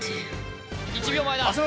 １秒前だ